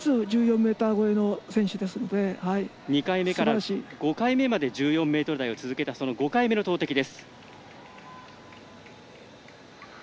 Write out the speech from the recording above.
２回目から５回目まで１４ｍ台を続けたその５回目の投てきです。